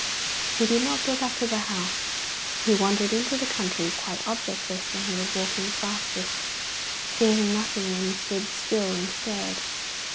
He did not go back to the house. He wandered into the country, quite objectless when he was walking fastest, seeing nothing when he stood still and stared.